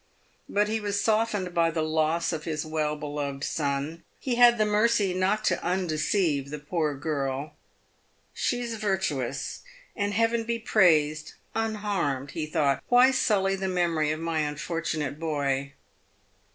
But he was softened by the loss of his well beloved son. He had the mercy not to undeceive the poor girl. " She is virtuous, and, Heaven be praised, unharmed," he thought. "Why sully the memory of my unfortunate boy